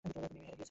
মিমি হেরে গেছে!